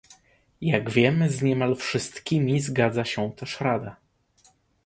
Jak wiemy, z niemal wszystkimi zgadza się też Rada